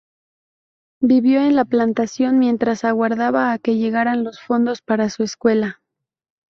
Vivió en la plantación mientras aguardaba a que llegaran los fondos para su escuela.